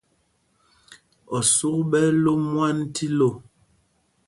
Osuk ɓɛ́ ɛ́ ló mwân tí lo.